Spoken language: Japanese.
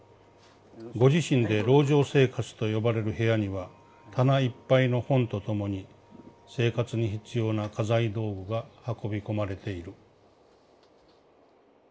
ご自身で『籠城生活』と呼ばれる部屋には棚いっぱいの本とともに生活に必要な家財道具が運び込まれている」。